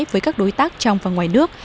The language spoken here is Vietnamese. với các đối tác trong và ngoài nước